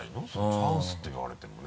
チャンスって言われてもね。